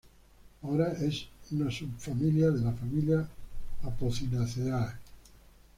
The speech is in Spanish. Ahora es una subfamilia de la familia Apocynaceae.